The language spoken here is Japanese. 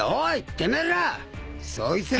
てめえら！